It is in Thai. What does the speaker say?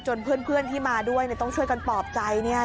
เพื่อนที่มาด้วยต้องช่วยกันปลอบใจ